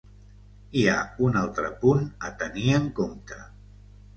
Hi ha un altre punt a tenir en compte.